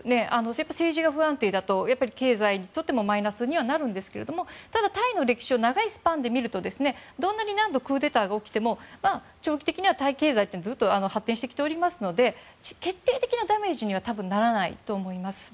政治が不安定だと経済にとってもマイナスにはなるんですがただ、タイの歴史を長いスパンで見ると、どんなに何度クーデターが起きても長期的にはタイ経済はずっと発展してきていますので決定的なダメージには多分ならないと思います。